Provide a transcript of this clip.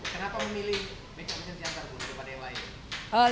kenapa memilih mekanisme siantar berbeda pada yang lain